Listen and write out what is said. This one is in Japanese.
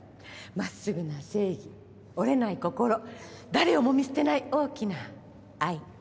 真っすぐな正義折れない心誰をも見捨てない大きな愛。